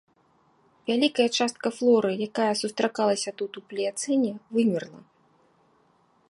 Вялікая частка флоры, якая сустракалася тут у пліяцэне, вымерла.